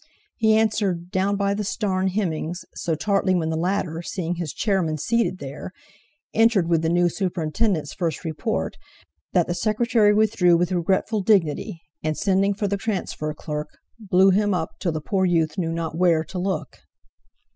He answered "Down by the starn" Hemmings so tartly when the latter, seeing his Chairman seated there, entered with the new Superintendent's first report, that the Secretary withdrew with regretful dignity; and sending for the transfer clerk, blew him up till the poor youth knew not where to look.